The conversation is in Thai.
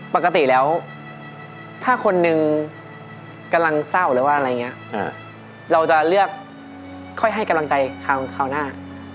ปกติแล้วถ้าคนนึงกำลังเศร้าหรือว่าอะไรอย่างนี้เราจะเลือกค่อยให้กำลังใจคราวหน้า